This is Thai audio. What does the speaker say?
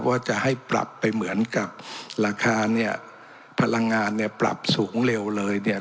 ว่าจะให้ปรับไปเหมือนกับราคาเนี่ยพลังงานเนี่ยปรับสูงเร็วเลยเนี่ย